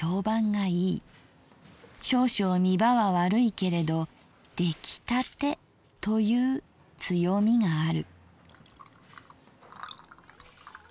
少々見場は悪いけれど出来たてという強みがある」。